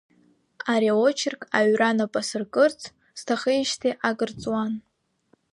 Ари аочерк аҩра напы асыркырц сҭахижьҭеи акыр ҵуан.